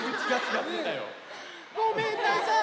ごめんなさい。